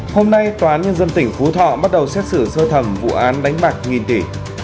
hôm nay toán nhân dân tỉnh phú thọ bắt đầu xét xử sơ thẩm vụ án đánh mạc nghìn tỷ